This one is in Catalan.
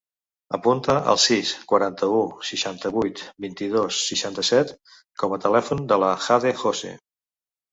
Apunta el sis, quaranta-u, seixanta-vuit, vint-i-dos, seixanta-set com a telèfon de la Jade Jose.